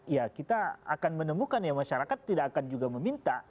ya kita akan menemukan ya masyarakat tidak akan juga meminta